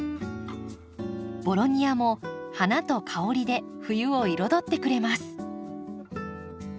ボロニアも花と香りで冬を彩ってくれます。